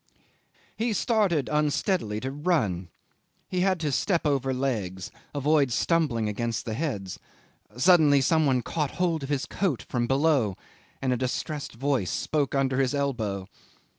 'He started unsteadily to run. He had to step over legs, avoid stumbling against the heads. Suddenly some one caught hold of his coat from below, and a distressed voice spoke under his elbow.